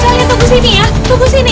jangan tunggu sini ya tunggu sini